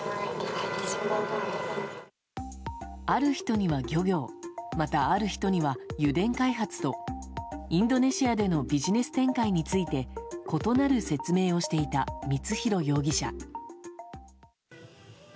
ある人には漁業また、ある人には油田開発とインドネシアでのビジネス展開について異なる説明をしていた光弘容疑者。